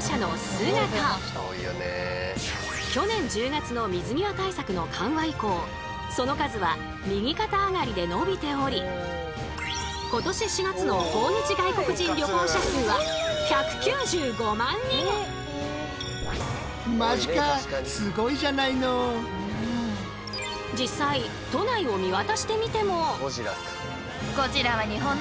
最近去年１０月の水際対策の緩和以降その数は右肩上がりで伸びており今年４月の訪日外国人旅行者数は実際都内を見渡してみても。